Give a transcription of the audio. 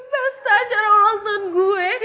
pas acara ulang tahun gue